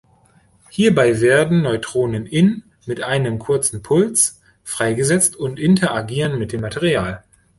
Hierbei werden Neutronen in mit einem kurzen Puls freigesetzt und interagieren mit dem Material.